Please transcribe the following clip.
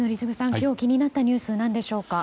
今日気になったニュースは何でしょうか。